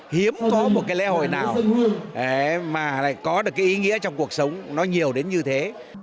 hiếm có một cái lễ hội nào mà lại có được cái ý nghĩa trong cuộc sống nó nhiều đến như thế